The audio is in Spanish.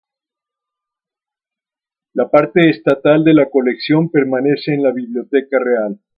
La parte estatal de la colección permanece en la Biblioteca Real.